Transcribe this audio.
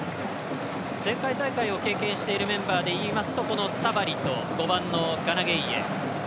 前回大会を経験しているメンバーで言いますとサバリと５番のガナ・ゲイエ。